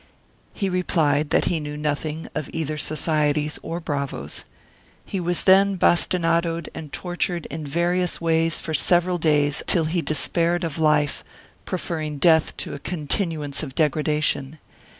He replied that he knew no thing of either societies or bravoes. He was then bas tinadoed and tortured in various ways for several days till he despaired of life, preferring death to a continuance of degradation.